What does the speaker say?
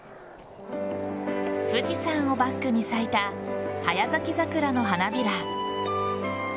富士山をバックに咲いた早咲き桜の花びら。